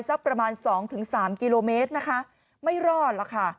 สักประมาณสองถึงสามกิโลเมตรนะคะไม่รอดหรอกค่ะ